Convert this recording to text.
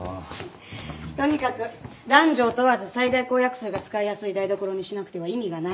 とにかく男女を問わず最大公約数が使いやすい台所にしなくては意味がない。